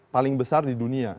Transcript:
paling besar di dunia